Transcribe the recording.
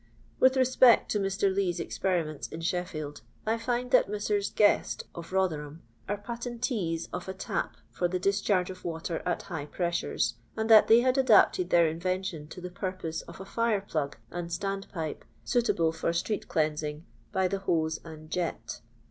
With respect to Mr. Lee's experiments in Sheffield, I find that Messrs. Guest, of Bother ham, are patentees of a tap for the discharge of water at high pressures, and that they haid adapted their invention to the purpose of a fire plug and stand pipe suitable for street cleansing by the hose and jet.